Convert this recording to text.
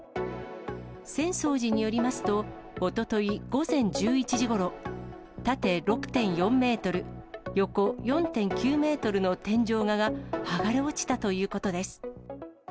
浅草寺によりますと、おととい午前１１時ごろ、縦６．４メートル、横４．９メートルの天井画が、剥がれ落ちたということです。